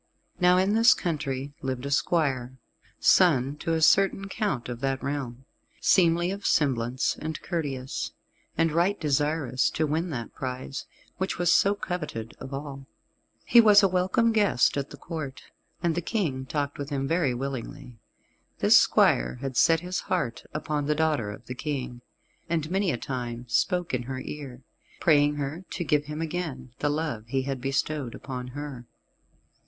Now in this country lived a squire, son to a certain count of that realm, seemly of semblance and courteous, and right desirous to win that prize, which was so coveted of all. He was a welcome guest at the Court, and the King talked with him very willingly. This squire had set his heart upon the daughter of the King, and many a time spoke in her ear, praying her to give him again the love he had bestowed upon her.